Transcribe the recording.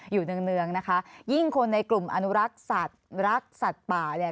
เนื่องนะคะยิ่งคนในกลุ่มอนุรักษ์สัตว์รักสัตว์ป่าเนี่ย